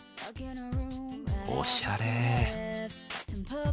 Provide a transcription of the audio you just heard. おしゃれ。